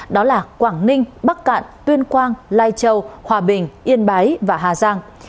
đó là quảng ninh bắc cạn tuyên quang lai châu hòa bình yên bái và hà giang